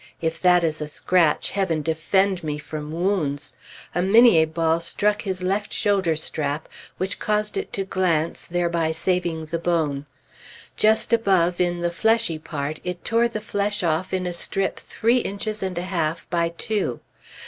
If that is a scratch, Heaven defend me from wounds! A minié ball struck his left shoulder strap, which caused it to glance, thereby saving the bone. Just above, in the fleshy part, it tore the flesh off in a strip three inches and a half by two.